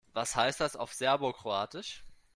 Was heißt das auf Serbokroatisch?